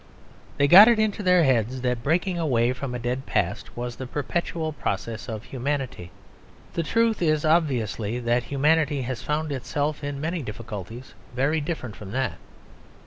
They got it into their heads that breaking away from a dead past was the perpetual process of humanity. The truth is obviously that humanity has found itself in many difficulties very different from that.